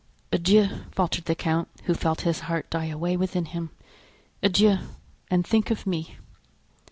"Adieu," faltered the count, who felt his heart die away within him; "adieu, and think of me."